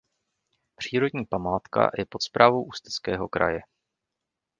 Přírodní památka je pod správou Ústeckého kraje.